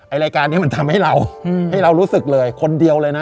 รายการนี้มันทำให้เราให้เรารู้สึกเลยคนเดียวเลยนะ